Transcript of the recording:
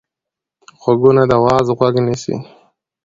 غوږونه د وعظ غوږ نیسي